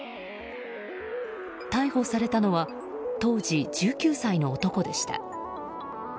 逮捕されたのは当時１９歳の男でした。